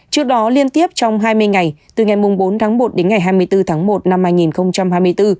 trước đó liên tiếp trong hai mươi ngày từ ngày bốn tháng một đến ngày hai mươi bốn tháng một năm hai nghìn hai mươi bốn